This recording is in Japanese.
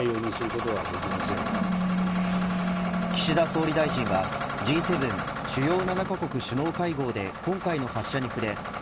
岸田総理大臣はＧ７、主要７カ国首脳会合で今回の発射に触れ